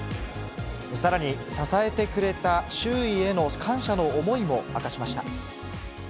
さらに、支えてくれた周囲への感謝の思いも明かしました。